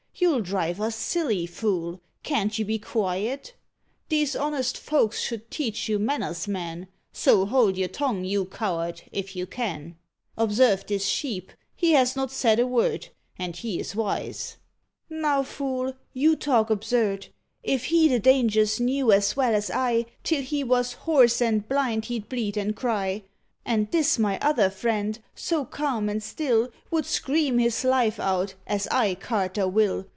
You'll drive us silly; fool! can't you be quiet? These honest folks should teach you manners, man; So hold your tongue, you coward, if you can. Observe this sheep, he has not said a word, And he is wise." "Now, fool! you talk absurd. If he the dangers knew as well as I, Till he was hoarse and blind he'd bleat and cry. And this my other friend, so calm and still, Would scream his life out, as I, carter, will.